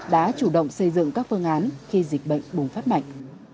đã chủ động xây dựng các phương án khi dịch bệnh bùng phát mạnh